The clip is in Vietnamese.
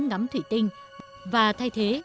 ngắm thủy tinh và thay thế